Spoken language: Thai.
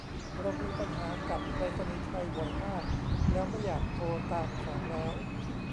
เรามีปัญหากับไปรษณีย์ไทยบ่อยมากแล้วไม่อยากโทรตามของแล้ว